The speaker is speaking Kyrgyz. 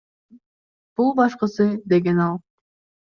Бул башкысы, — деген ал.